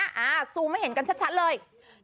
อ่าซูมให้เห็นกันชัดเลย๑๘๑